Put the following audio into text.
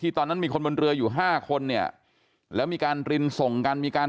ที่ตอนนั้นมีคนบนเผลออยู่๕คนเนี่ยมีการรินส่งกันมีการ